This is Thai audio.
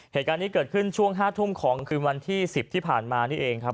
เหตุการณ์นี้เกิดขึ้นช่วง๕ทุ่มของคืนวันที่๑๐ที่ผ่านมานี่เองครับ